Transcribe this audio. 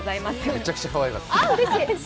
めちゃくちゃかわいかったです。